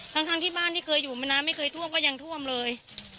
ทั้งที่บ้านที่เคยอยู่น้ำไม่เคยท่วมก็ยังท่วมเลย